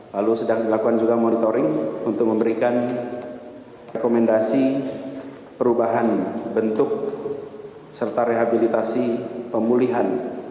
lalu sedang dilakukan juga monitoring untuk memberikan rekomendasi perubahan bentuk serta rehabilitasi pemulihan